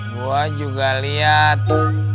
gua juga liat